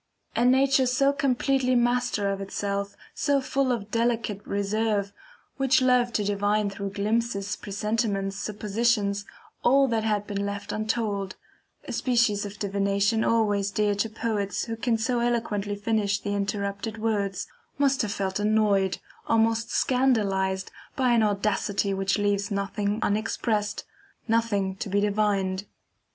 A nature so completely master of itself, so full of delicate reserve, which loved to divine through glimpses, presentiments, suppositions, all that had been left untold (a species of divination always dear to poets who can so eloquently finish the interrupted words) must have felt annoyed, almost scandalized, by an audacity which leaves nothing unexpressed, nothing to be divined.